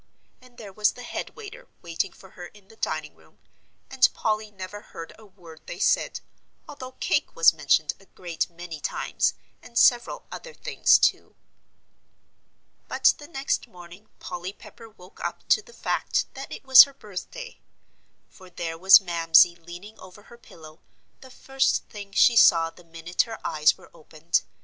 And there was the head waiter waiting for her in the dining room, and Polly never heard a word they said, although "cake" was mentioned a great many times, and several other things too. But the next morning Polly Pepper woke up to the fact that it was her birthday. For there was Mamsie leaning over her pillow, the first thing she saw the minute her eyes were opened.